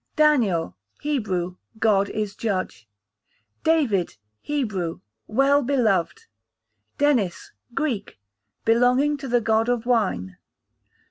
Daniel, Hebrew, God is judge. David, Hebrew, well beloved. Denis, Greek, belonging to the god of wine.